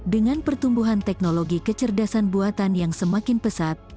dengan pertumbuhan teknologi kecerdasan buatan yang semakin pesat